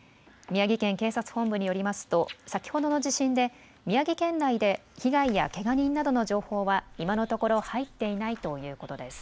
宮城県警察本部によりますと先ほどの地震で宮城県内で被害やけが人などの情報は今のところ入っていないということです。